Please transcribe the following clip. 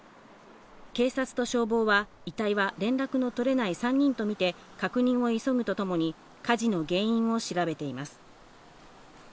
警察と消防は遺体は連絡の取れない３人とみて、確認を急ぐとともに火事の原因を調べています。